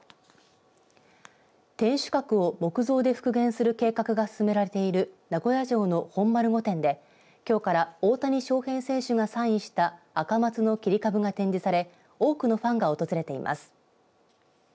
天守閣を木造で復元する計画が進められている名古屋城の本丸御殿できょうから大谷翔平選手がサインしたアカマツの切り株が展示され多くのファンが訪れています。